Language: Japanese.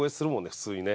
普通にね。